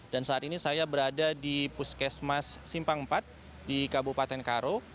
dan saat ini saya berada di puskesmas simpang empat di kabupaten karo